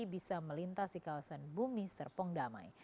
bisa melintas di kawasan bumi serpong damai